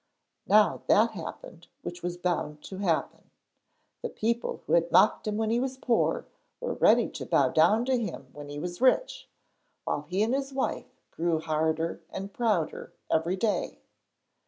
Now that happened which was bound to happen. The people who had mocked him when he was poor were ready to bow down to him when he was rich, while he and his wife grew harder and prouder every day.